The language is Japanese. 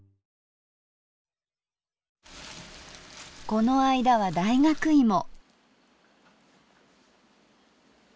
この間は大学芋。